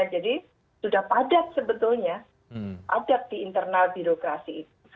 jadi sudah padat sebetulnya padat di internal birokrasi itu